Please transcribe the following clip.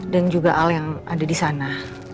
dan juga al yang ada di sana